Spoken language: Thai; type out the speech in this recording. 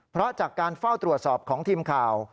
เพราะจากการเฝ้าตรวจสอบของทีมข่าว